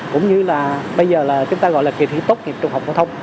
cũng như là bây giờ là chúng ta gọi là kỳ thi tốt nghiệp trung học phổ thông